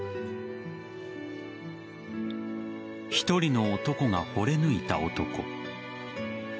１人の男がほれ抜いた男。